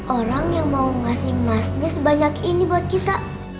orang yang mau ngasih emasnya sebanyak ini buat kita